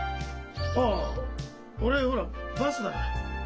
ああ俺ほらバスだから。